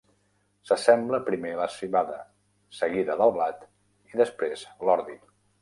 Se sembra primer la civada, seguida del blat i després l'ordi.